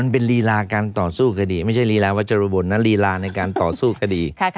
เป็นลีลาการต่อสู้คดีไม่ใช่รีลาวัชรุบลนะลีลาในการต่อสู้คดี